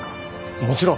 もちろん。